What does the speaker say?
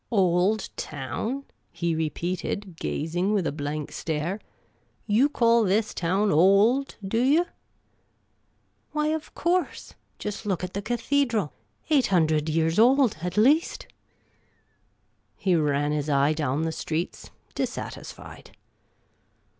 " Old town ?" he repeated, gazing with a blank .stare. " You call this town old^ do you ?" 92 Miss Cayley's Adventures " Why, of course ! Just look at the cathedral ! Eight hundred years old, at least !" He ran his eye down the streets, dissatisfied.